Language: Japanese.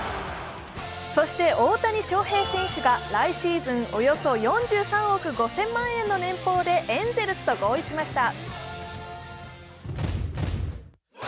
そして大谷翔平選手が来シーズン年俸４３億５０００万円でエンゼルスと合意しました。